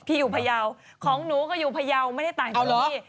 อยู่พยาวของหนูก็อยู่พยาวไม่ได้ต่างตรงนี้